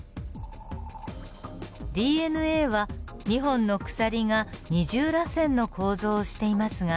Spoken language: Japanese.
ＤＮＡは２本の鎖が二重らせんの構造をしていますが。